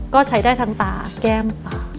ก็ใช้ได้ทั้งตาแก้ม